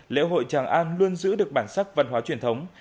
lễ hội tràng an luôn giữ được bản sắc văn hóa truyền thống